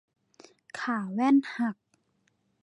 ขาแว่นหัก